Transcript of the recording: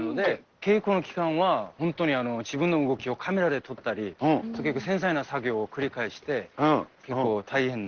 稽古の期間は本当に自分の動きをカメラで撮ったり、繊細な作業を繰り返して、結構大変な。